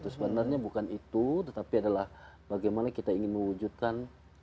sebenarnya bukan itu tetapi adalah bagaimana kita ingin mewujudkan